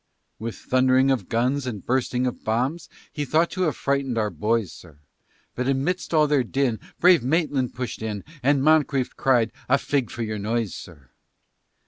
With thund'ring of guns, And bursting of bombs, He thought to have frighten'd our boys, sir: But amidst all their din, Brave Maitland push'd in, And Moncrieffe cried, "A fig for your noise," sir.